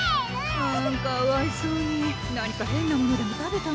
あぁかわいそうに何か変なものでも食べたの？